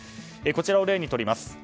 こちらを例にとります。